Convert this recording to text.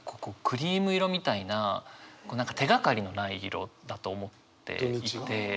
クリーム色みたいな何か手がかりのない色だと思っていて。